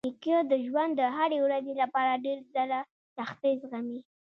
نیکه د ژوند د هرې ورځې لپاره ډېر ځله سختۍ زغمي.